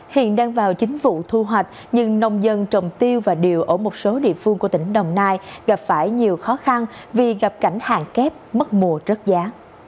hiện đang vào chính vụ thu hoạch nhưng nông dân trồng tiêu và điều ở một số địa phương của tỉnh đồng nai gặp phải nhiều khó khăn vì gặp cảnh hạn kép mất mùa rớt giá